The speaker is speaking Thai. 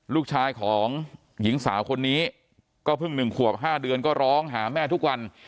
ลูกชายของหญิงสาวคนนี้ก็เพิ่ง๑ขวบ๕เดือนก็ร้องหาแม่ทุกวัน